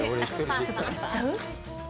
ちょっと行っちゃう？